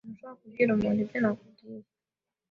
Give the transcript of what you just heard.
Ntushobora kubwira umuntu ibyo nakubwiye.